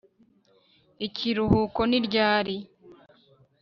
ikiruhuko ni ryari